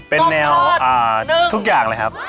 เป็นแนวทุกอย่างเลยครับ